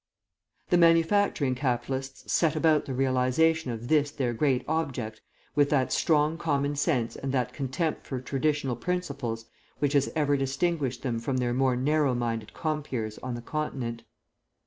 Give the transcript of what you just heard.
"The manufacturing capitalists set about the realisation of this their great object with that strong common sense and that contempt for traditional principles which has ever distinguished them from their more narrow minded compeers on the Continent.